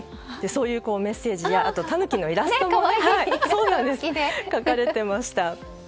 そういうメッセージやあとタヌキのイラストも描かれていました。